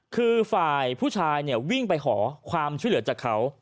คือฝ่ายผู้ชายเนี่ยวิ่งไปขอความช่วยเหลือจากเขา